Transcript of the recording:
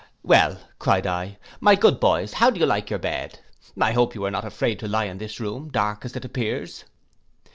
'Well,' cried I, 'my good boys, how do you like your bed? I hope you are not afraid to lie in this room, dark as it appears.